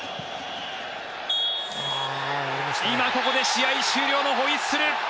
今、ここで試合終了のホイッスル。